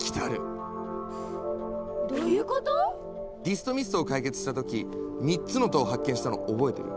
どゆこと⁉ディストミストを解決した時３つの塔を発見したのを覚えてる？